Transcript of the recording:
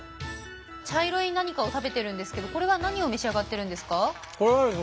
茶色い何かを食べてるんですけどこれは何を召し上がってるんですか？